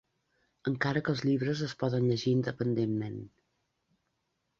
Encara que els llibres es poden llegir independentment.